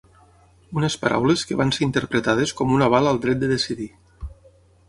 Unes paraules que van ser interpretades com un aval al dret de decidir.